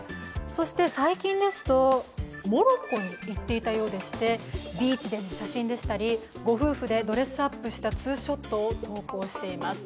最近ですと、モロッコに行っていたようでして、ビーチでの写真でしたりご夫婦でドレスアップしたツーショットを投稿しています。